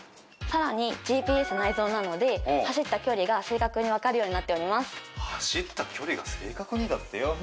さらにＧＰＳ内蔵なので走った距離が正確にわかるようになっております